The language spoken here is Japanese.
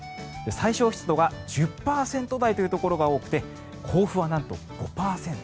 最小湿度が１０％台というところが多くて甲府はなんと５％。